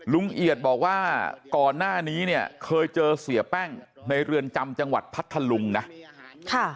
เอียดบอกว่าก่อนหน้านี้เนี่ยเคยเจอเสียแป้งในเรือนจำจังหวัดพัทธลุงนะ